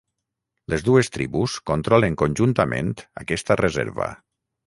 Les dues tribus controlen conjuntament aquesta reserva.